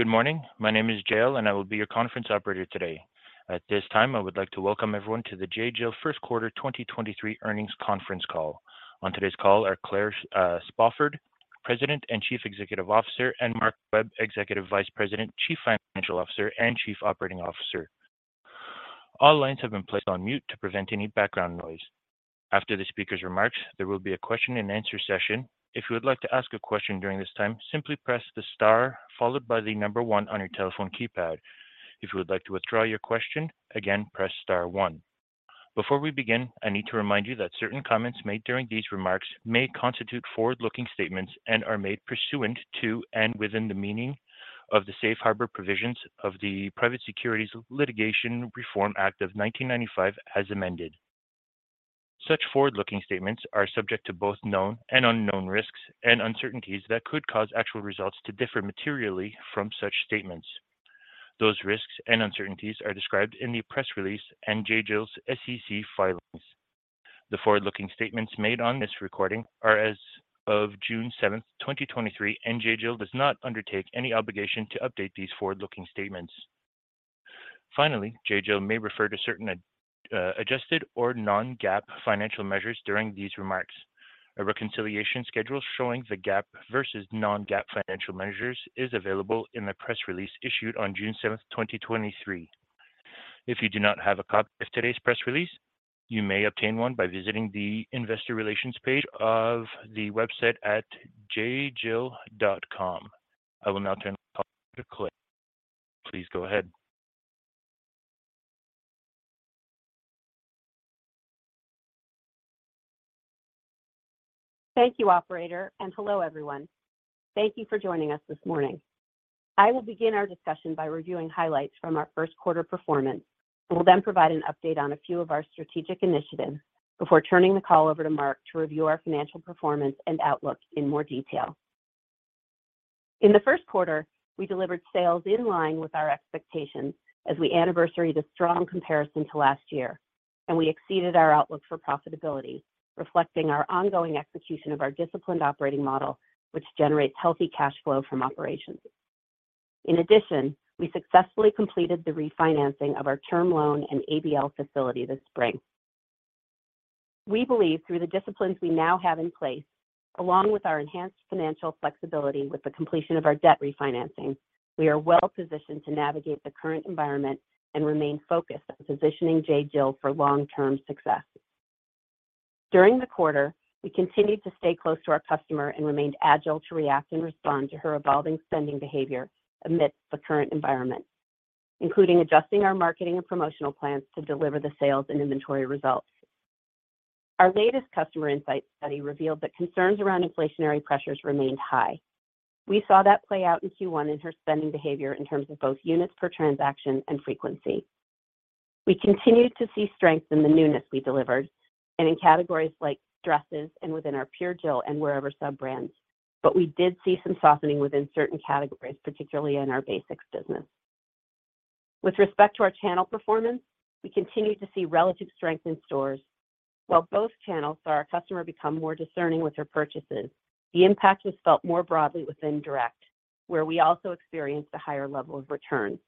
Good morning. My name is Jael, and I will be your conference operator today. At this time, I would like to welcome everyone to the J.Jill First Quarter 2023 Earnings Conference Call. On today's call are Claire Spofford, President and Chief Executive Officer, and Mark Webb, Executive Vice President, Chief Financial Officer, and Chief Operating Officer. All lines have been placed on mute to prevent any background noise. After the speaker's remarks, there will be a question-and-answer session. If you would like to ask a question during this time, simply press the star followed by one on your telephone keypad. If you would like to withdraw your question, again, press star one. Before we begin, I need to remind you that certain comments made during these remarks may constitute forward-looking statements and are made pursuant to and within the meaning of the safe harbor provisions of the Private Securities Litigation Reform Act of 1995 as amended. Such forward-looking statements are subject to both known and unknown risks and uncertainties that could cause actual results to differ materially from such statements. Those risks and uncertainties are described in the press release and J.Jill's SEC filings. The forward-looking statements made on this recording are as of June 7, 2023, and J.Jill does not undertake any obligation to update these forward-looking statements. Finally, J.Jill may refer to certain adjusted or non-GAAP financial measures during these remarks. A reconciliation schedule showing the GAAP versus non-GAAP financial measures is available in the press release issued on June 7, 2023. If you do not have a copy of today's press release, you may obtain one by visiting the investor relations page of the website at jjill.com. I will now turn the call to Claire. Please go ahead. Thank you, operator. Hello, everyone. Thank you for joining us this morning. I will begin our discussion by reviewing highlights from our first quarter performance. I will provide an update on a few of our strategic initiatives before turning the call over to Mark to review our financial performance and outlook in more detail. In the first quarter, we delivered sales in line with our expectations as we anniversary the strong comparison to last year, and we exceeded our outlook for profitability, reflecting our ongoing execution of our disciplined operating model, which generates healthy cash flow from operations. In addition, we successfully completed the refinancing of our term loan and ABL facility this spring. We believe through the disciplines we now have in place, along with our enhanced financial flexibility with the completion of our debt refinancing, we are well positioned to navigate the current environment and remain focused on positioning J.Jill for long-term success. During the quarter, we continued to stay close to our customer and remained agile to react and respond to her evolving spending behavior amidst the current environment, including adjusting our marketing and promotional plans to deliver the sales and inventory results. Our latest customer insight study revealed that concerns around inflationary pressures remained high. We saw that play out in Q1 in her spending behavior in terms of both units per transaction and frequency. We continued to see strength in the newness we delivered and in categories like dresses and within our Pure Jill and Wearever sub brands. We did see some softening within certain categories, particularly in our basics business. With respect to our channel performance, we continued to see relative strength in stores. While both channels saw our customer become more discerning with her purchases, the impact was felt more broadly within direct, where we also experienced a higher level of return.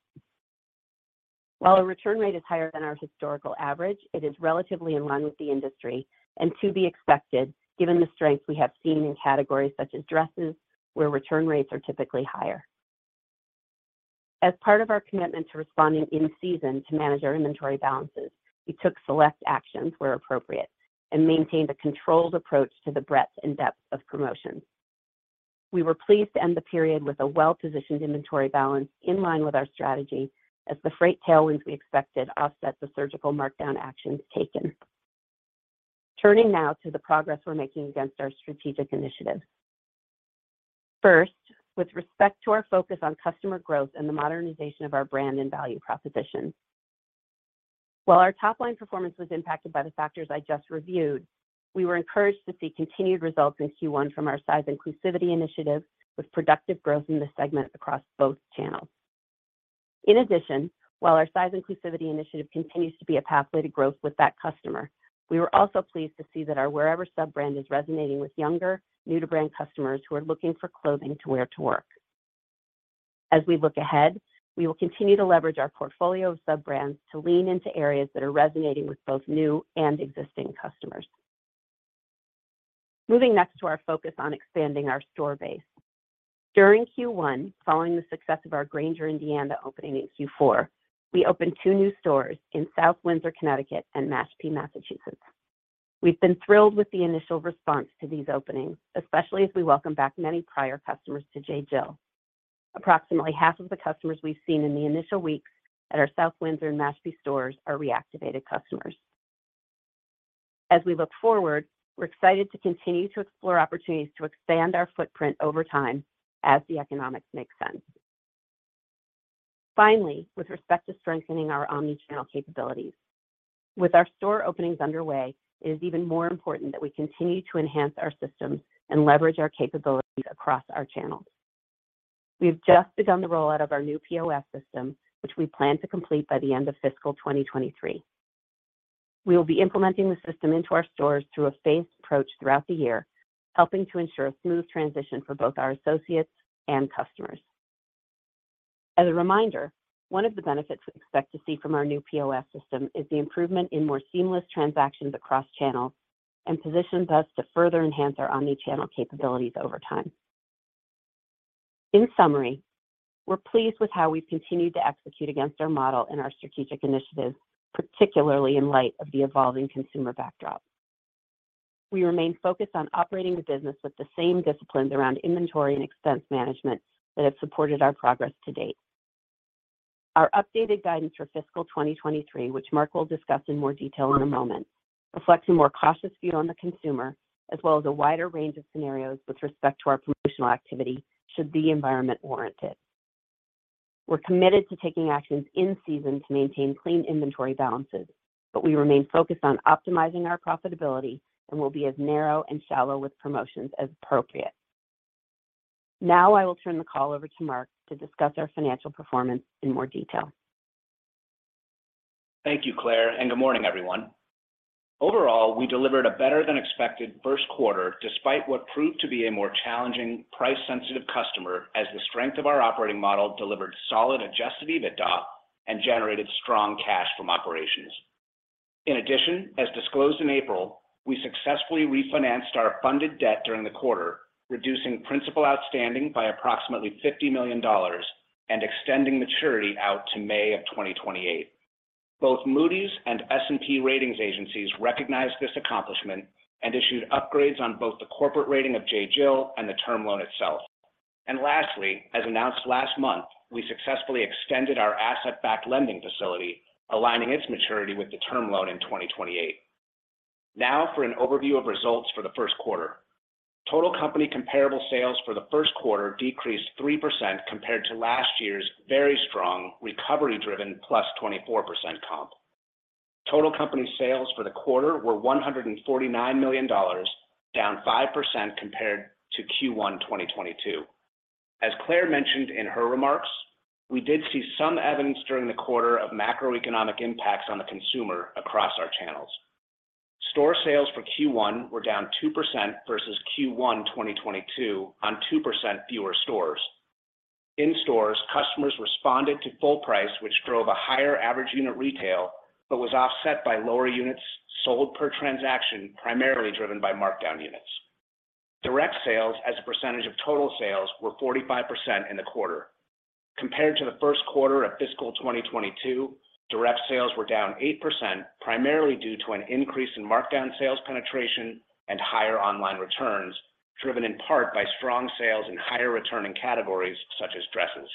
While our return rate is higher than our historical average, it is relatively in line with the industry and to be expected, given the strength we have seen in categories such as dresses, where return rates are typically higher. As part of our commitment to responding in season to manage our inventory balances, we took select actions where appropriate and maintained a controlled approach to the breadth and depth of promotions. We were pleased to end the period with a well-positioned inventory balance in line with our strategy, as the freight tailwinds we expected offset the surgical markdown actions taken. Turning now to the progress we're making against our strategic initiatives. First, with respect to our focus on customer growth and the modernization of our brand and value proposition. While our top-line performance was impacted by the factors I just reviewed, we were encouraged to see continued results in Q1 from our size inclusivity initiative, with productive growth in the segment across both channels. In addition, while our size inclusivity initiative continues to be a pathway to growth with that customer, we were also pleased to see that our Wearever sub-brand is resonating with younger, new-to-brand customers who are looking for clothing to wear to work. As we look ahead, we will continue to leverage our portfolio of sub-brands to lean into areas that are resonating with both new and existing customers. Moving next to our focus on expanding our store base. During Q1, following the success of our Granger, Indiana, opening in Q4, we opened two new stores in South Windsor, Connecticut, and Mashpee, Massachusetts. We've been thrilled with the initial response to these openings, especially as we welcome back many prior customers to J.Jill. Approximately half of the customers we've seen in the initial weeks at our South Windsor and Mashpee stores are reactivated customers. As we look forward, we're excited to continue to explore opportunities to expand our footprint over time as the economics make sense. Finally, with respect to strengthening our omnichannel capabilities, with our store openings underway, it is even more important that we continue to enhance our systems and leverage our capabilities across our channels. We've just begun the rollout of our new POS system, which we plan to complete by the end of fiscal 2023. We will be implementing the system into our stores through a phased approach throughout the year, helping to ensure a smooth transition for both our associates and customers. As a reminder, one of the benefits we expect to see from our new POS system is the improvement in more seamless transactions across channels and positions us to further enhance our omnichannel capabilities over time. In summary, we're pleased with how we've continued to execute against our model and our strategic initiatives, particularly in light of the evolving consumer backdrop. We remain focused on operating the business with the same disciplines around inventory and expense management that have supported our progress to date. Our updated guidance for fiscal 2023, which Mark will discuss in more detail in a moment, reflects a more cautious view on the consumer, as well as a wider range of scenarios with respect to our promotional activity, should the environment warrant it. We're committed to taking actions in season to maintain clean inventory balances, but we remain focused on optimizing our profitability and will be as narrow and shallow with promotions as appropriate. Now, I will turn the call over to Mark to discuss our financial performance in more detail. Thank you, Claire, and good morning, everyone. Overall, we delivered a better than expected first quarter, despite what proved to be a more challenging, price-sensitive customer, as the strength of our operating model delivered solid Adjusted EBITDA and generated strong cash from operations. In addition, as disclosed in April, we successfully refinanced our funded debt during the quarter, reducing principal outstanding by approximately $50 million and extending maturity out to May of 2028. Both Moody's and S&P ratings agencies recognized this accomplishment and issued upgrades on both the corporate rating of J.Jill and the term loan itself. Lastly, as announced last month, we successfully extended our asset-based lending facility, aligning its maturity with the term loan in 2028. Now, for an overview of results for the first quarter. Total company comparable sales for the first quarter decreased 3% compared to last year's very strong recovery-driven +24% comp. Total company sales for the quarter were $149 million, down 5% compared to Q1 2022. As Claire mentioned in her remarks, we did see some evidence during the quarter of macroeconomic impacts on the consumer across our channels. Store sales for Q1 were down 2% versus Q1 2022 on 2% fewer stores. In stores, customers responded to full price, which drove a higher average unit retail, but was offset by lower units sold per transaction, primarily driven by markdown units. Direct sales, as a percentage of total sales, were 45% in the quarter. Compared to the first quarter of fiscal 2022, direct sales were down 8%, primarily due to an increase in markdown sales penetration and higher online returns, driven in part by strong sales in higher returning categories such as dresses.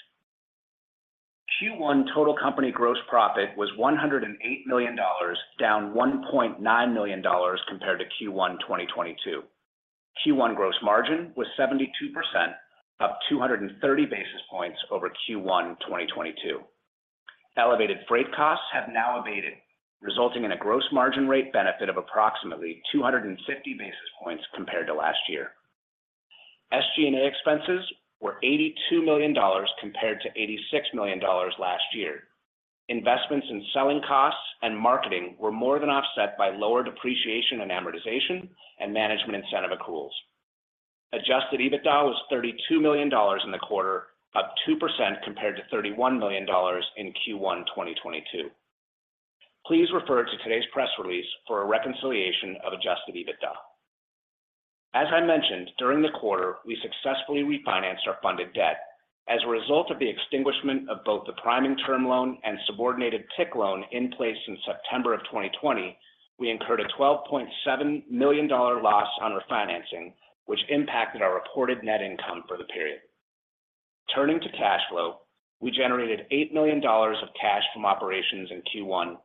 Q1 total company gross profit was $108 million, down $1.9 million compared to Q1 2022. Q1 gross margin was 72%, up 230 basis points over Q1 2022. Elevated freight costs have now abated, resulting in a gross margin rate benefit of approximately 250 basis points compared to last year. SG&A expenses were $82 million compared to $86 million last year. Investments in selling costs and marketing were more than offset by lower depreciation and amortization and management incentive accruals. Adjusted EBITDA was $32 million in the quarter, up 2% compared to $31 million in Q1 2022. Please refer to today's press release for a reconciliation of Adjusted EBITDA. As I mentioned, during the quarter, we successfully refinanced our funded debt. As a result of the extinguishment of both the priming term loan and subordinated PIK loan in place in September of 2020, we incurred a $12.7 million loss on refinancing, which impacted our reported net income for the period. Turning to cash flow, we generated $8 million of cash from operations in Q1,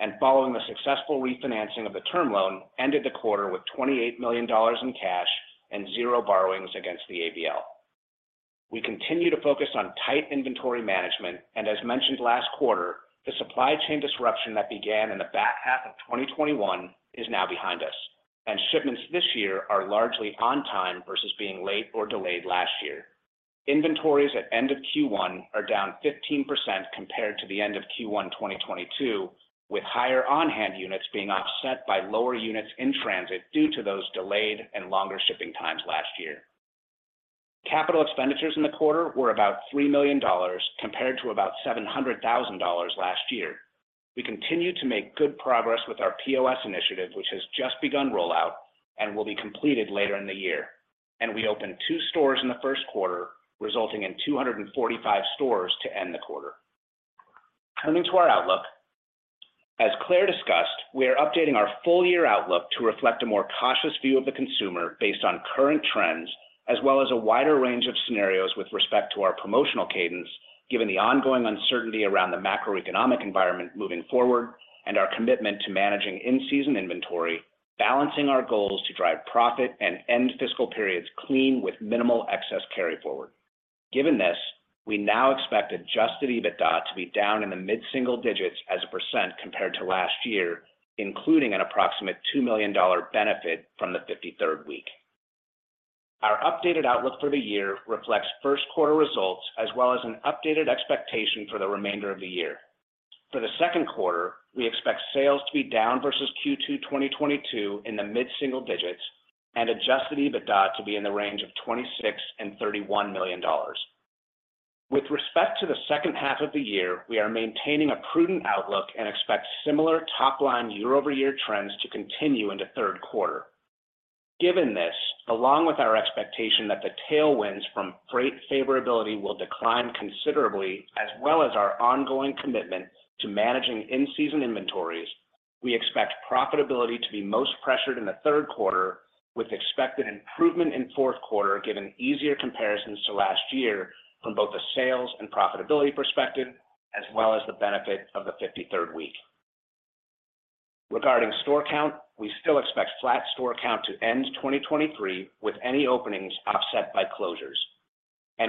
and following the successful refinancing of the term loan, ended the quarter with $28 million in cash and zero borrowings against the ABL. We continue to focus on tight inventory management, as mentioned last quarter, the supply chain disruption that began in the back half of 2021 is now behind us, and shipments this year are largely on time versus being late or delayed last year. Inventories at end of Q1 are down 15% compared to the end of Q1 2022, with higher on-hand units being offset by lower units in transit due to those delayed and longer shipping times last year. Capital expenditures in the quarter were about $3 million, compared to about $700,000 last year. We continue to make good progress with our POS initiative, which has just begun rollout and will be completed later in the year. We opened two stores in the first quarter, resulting in 245 stores to end the quarter. Turning to our outlook. As Claire discussed, we are updating our full-year outlook to reflect a more cautious view of the consumer based on current trends, as well as a wider range of scenarios with respect to our promotional cadence, given the ongoing uncertainty around the macroeconomic environment moving forward, and our commitment to managing in-season inventory, balancing our goals to drive profit and end fiscal periods clean with minimal excess carry forward. Given this, we now expect Adjusted EBITDA to be down in the mid-single digits as a percent compared to last year, including an approximate $2 million benefit from the 53rd week. Our updated outlook for the year reflects first quarter results, as well as an updated expectation for the remainder of the year. For the second quarter, we expect sales to be down versus Q2 2022 in the mid single digits and Adjusted EBITDA to be in the range of $26 million-$31 million. With respect to the second half of the year, we are maintaining a prudent outlook and expect similar top line year-over-year trends to continue into third quarter. Given this, along with our expectation that the tailwinds from freight favorability will decline considerably, as well as our ongoing commitment to managing in-season inventories, we expect profitability to be most pressured in the third quarter, with expected improvement in fourth quarter, given easier comparisons to last year from both a sales and profitability perspective, as well as the benefit of the 53rd week. Regarding store count, we still expect flat store count to end 2023, with any openings offset by closures.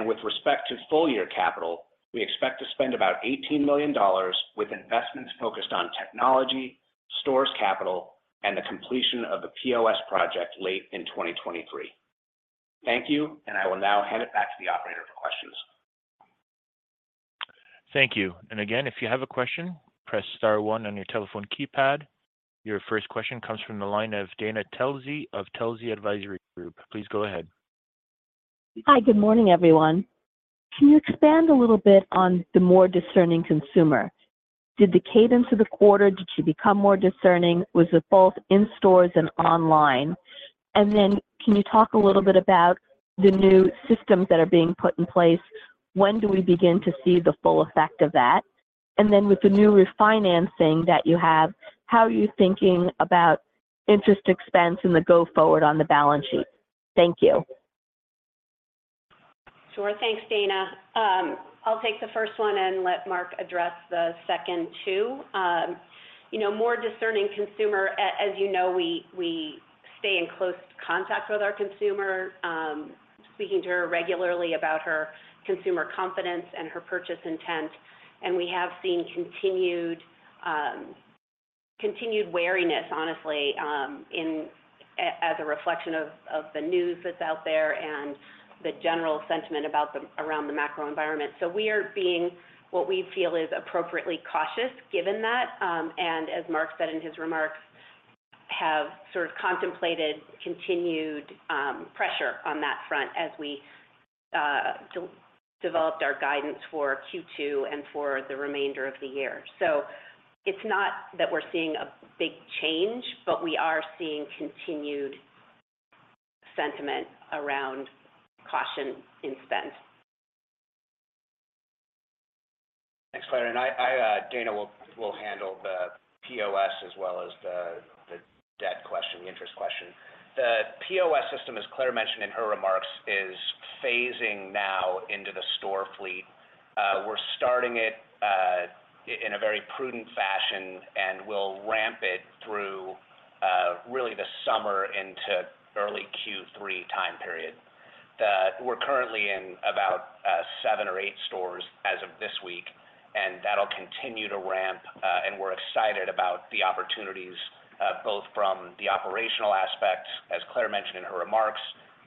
With respect to full year capital, we expect to spend about $18 million, with investments focused on technology, stores capital, and the completion of the POS project late in 2023. Thank you. I will now hand it back to the operator for questions. Thank you. Again, if you have a question, press star one on your telephone keypad. Your first question comes from the line of Dana Telsey of Telsey Advisory Group. Please go ahead. Hi, good morning, everyone. Can you expand a little bit on the more discerning consumer? Did the cadence of the quarter, did she become more discerning? Was it both in stores and online? Can you talk a little bit about the new systems that are being put in place? When do we begin to see the full effect of that? With the new refinancing that you have, how are you thinking about interest expense in the go-forward on the balance sheet? Thank you. Sure. Thanks, Dana. I'll take the first one and let Mark address the second two. You know, more discerning consumer, as you know, we stay in close contact with our consumer, speaking to her regularly about her consumer confidence and her purchase intent. We have seen continued wariness, honestly, as a reflection of the news that's out there and the general sentiment around the macro environment. We are being, what we feel is appropriately cautious, given that, and as Mark said in his remarks, have sort of contemplated continued pressure on that front as we developed our guidance for Q2 and for the remainder of the year. It's not that we're seeing a big change, but we are seeing continued sentiment around caution in spend. Thanks, Claire. I Dana will handle the POS as well as the debt question, the interest question. The POS system, as Claire mentioned in her remarks, is phasing now into the store fleet. We're starting it in a very prudent fashion, and we'll ramp it through really the summer into early Q3 time period. We're currently in about seven or eight stores as of this week, and that'll continue to ramp, and we're excited about the opportunities, both from the operational aspect, as Claire mentioned in her remarks,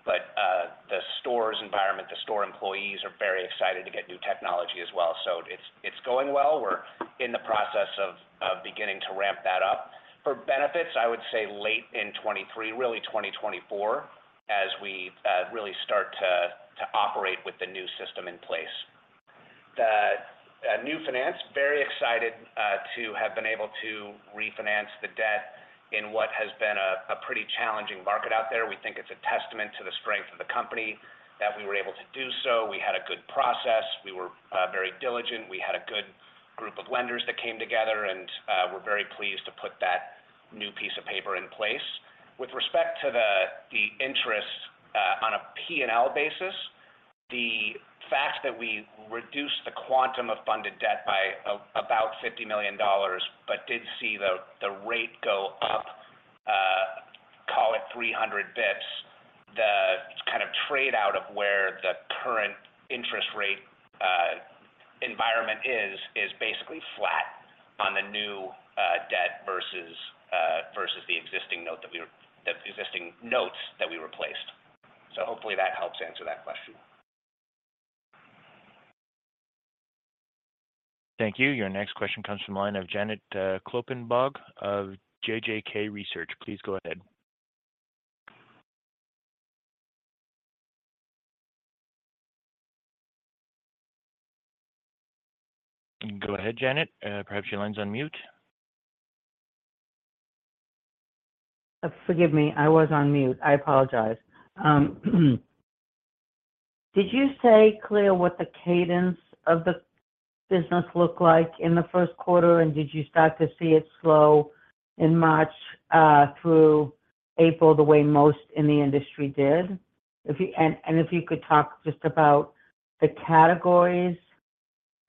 the stores environment, the store employees are very excited to get new technology as well. It's going well. We're in the process of beginning to ramp that up. For benefits, I would say late in 2023, really 2024, as we really start to operate with the new system in place. The new finance, very excited to have been able to refinance the debt in what has been a pretty challenging market out there. We think it's a testament to the strength of the company that we were able to do so. We had a good process. We were very diligent. We had a good group of lenders that came together. We're very pleased to put that new piece of paper in place. With respect to the interest on a P&L basis, the fact that we reduced the quantum of funded debt by about $50 million, but did see the rate go up, call it 300 basis points, the kind of trade out of where the current interest rate environment is basically flat on the new debt versus the existing notes that we replaced. Hopefully that helps answer that question. Thank you. Your next question comes from the line of Janet Kloppenburg of JJK Research. Please go ahead. Go ahead, Janet. Perhaps your line's on mute. Forgive me, I was on mute. I apologize. Did you say, Claire, what the cadence of the business looked like in the first quarter, and did you start to see it slow in Mark through April, the way most in the industry did? If you could talk just about the categories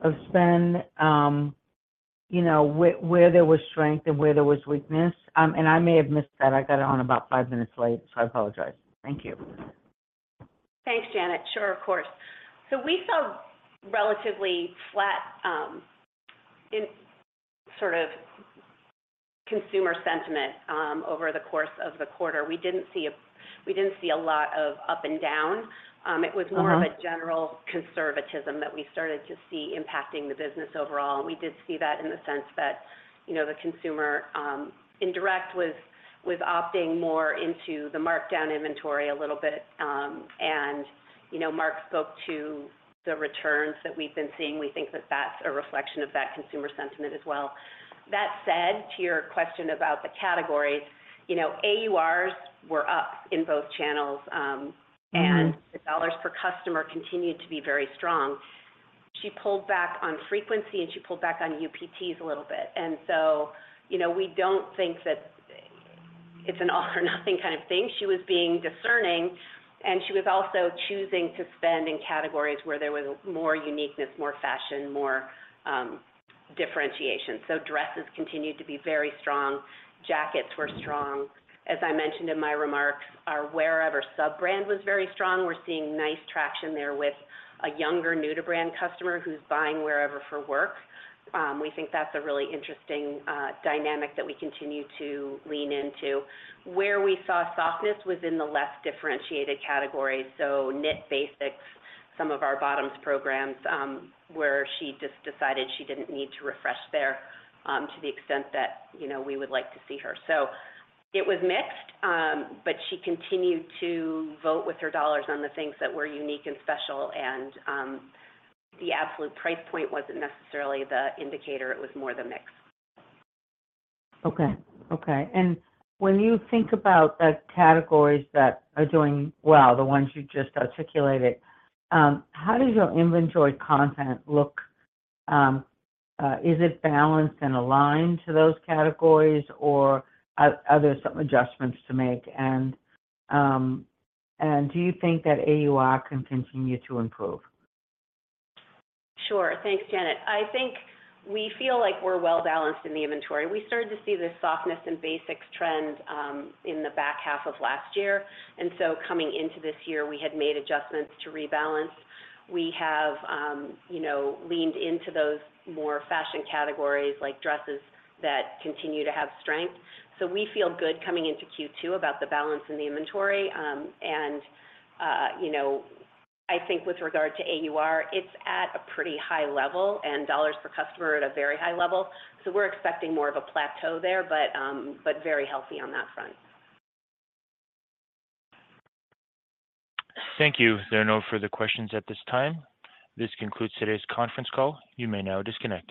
of spend, you know, where there was strength and where there was weakness. I may have missed that. I got on about five minutes late. I apologize. Thank you. Thanks, Janet. Sure, of course. We saw relatively flat consumer sentiment over the course of the quarter. We didn't see a lot of up and down. It was more. Mm-hmm Of a general conservatism that we started to see impacting the business overall. We did see that in the sense that, you know, the consumer, indirect was opting more into the markdown inventory a little bit. You know, Mark spoke to the returns that we've been seeing. We think that that's a reflection of that consumer sentiment as well. That said, to your question about the categories, you know, AURs were up in both channels. Mm-hmm. The dollars per customer continued to be very strong. She pulled back on frequency, she pulled back on UPTs a little bit, you know, we don't think that it's an all or nothing kind of thing. She was being discerning, she was also choosing to spend in categories where there was more uniqueness, more fashion, more differentiation. Dresses continued to be very strong. Jackets were strong. As I mentioned in my remarks, our Wearever sub-brand was very strong. We're seeing nice traction there with a younger, new-to-brand customer who's buying Wearever for work. We think that's a really interesting dynamic that we continue to lean into. Where we saw softness was in the less differentiated categories, so knit basics, some of our bottoms programs, where she just decided she didn't need to refresh there, to the extent that, you know, we would like to see her. It was mixed. She continued to vote with her dollars on the things that were unique and special, and the absolute price point wasn't necessarily the indicator. It was more the mix. Okay. Okay, when you think about the categories that are doing well, the ones you just articulated, how does your inventory content look? Is it balanced and aligned to those categories, or are there some adjustments to make? Do you think that AUR can continue to improve? Sure. Thanks, Janet. I think we feel like we're well-balanced in the inventory. We started to see this softness in basics trend, in the back half of last year. Coming into this year, we had made adjustments to rebalance. We have, you know, leaned into those more fashion categories, like dresses, that continue to have strength. We feel good coming into Q2 about the balance in the inventory. I think with regard to AUR, it's at a pretty high level and dollars per customer at a very high level, so we're expecting more of a plateau there, but very healthy on that front. Thank you. There are no further questions at this time. This concludes today's conference call. You may now disconnect.